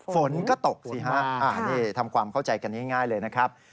ฝนก็ตกสิฮะนี่ทำความเข้าใจกันง่ายเลยนะครับ